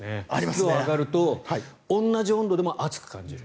湿度が上がると同じ温度でも暑く感じる。